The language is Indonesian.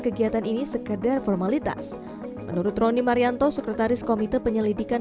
kegiatan ini sekedar formalitas menurut roni marianto sekretaris komite penyelidikan